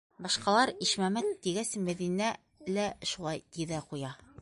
Башҡалар Ишмәмәт тигәс, Мәҙинә лә шулай ти ҙә ҡуя...